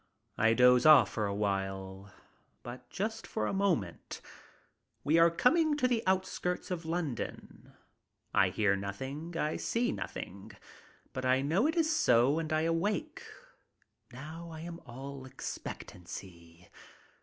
I doze off for a while. But just for a moment. We are coming to the outskirts of London. I hear nothing, I see nothing, but I know it is so and I awake. Now I am all expectancy.